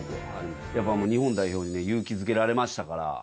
やっぱ日本代表に勇気づけられましたから。